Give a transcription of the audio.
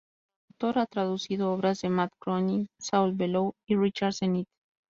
Como traductor, ha traducido obras de Matt Groening, Saul Bellow y Richard Zenith.